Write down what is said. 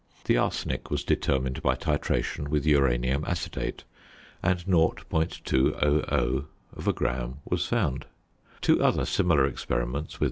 The arsenic was determined by titration with uranium acetate, and 0.200 gram was found. Two other similar experiments with 0.